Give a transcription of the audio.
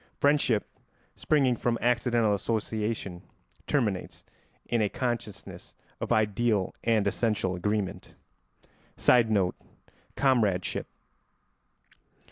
Friendship, springing from accidental association, terminates in a consciousness of ideal and essential agreement. [Sidenote: Comradeship.